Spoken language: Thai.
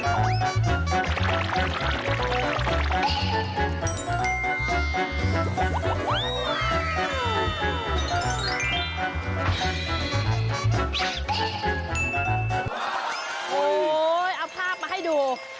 โอ้โหเอาภาพมาให้ดู